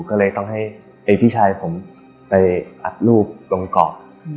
ก็เลยต้องให้ไอ้พี่ชายผมไปอัดรูปตรงเกาะ